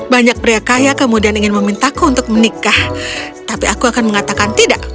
banyak pria kaya kemudian ingin memintaku untuk menikah tapi aku akan mengatakan tidak